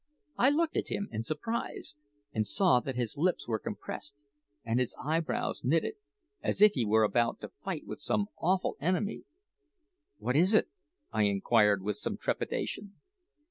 I looked at him in surprise, and saw that his lips were compressed and his eyebrows knitted, as if he were about to fight with some awful enemy. "What is it?" I inquired with some trepidation.